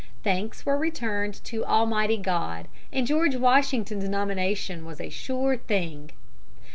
Thanks were returned to Almighty God, and George Washington's nomination was a sure thing.